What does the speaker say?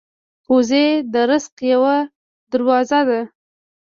وزې د رزق یوه دروازه ده